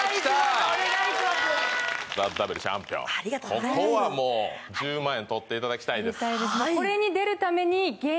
ここはもう１０万円獲っていただきたいです獲りたいです